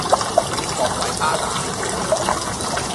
各位巴打